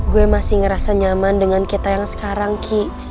gue masih ngerasa nyaman dengan kita yang sekarang ki